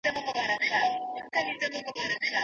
ګاونډیانو په پوره مېړانه د خاورو په اچولو کې مرسته کوله.